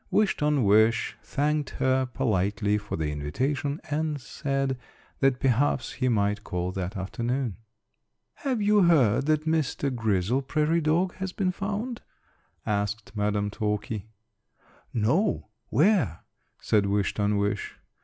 Wish ton wish thanked her politely for the invitation, and said that perhaps he might call that afternoon. "Have you heard that Mr. Grizzle Prairie Dog has been found?" asked Madam Talky. "No, where?" said Wish ton wish.